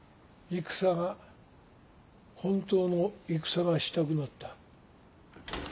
戦が本当の戦がしたくなった。